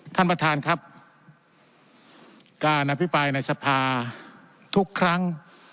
ท่านประธานครับการอภิปรายในสภาทุกครั้ง